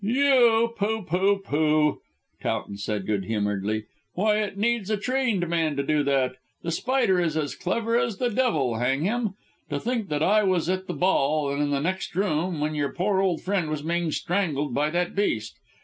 "You? Pooh! Pooh! Pooh!" said Towton good humouredly. "Why, it needs a trained man to do that. The Spider is as clever as the devil, hang him. To think that I was at the ball, and in the next room, when our poor old friend was being strangled by that beast.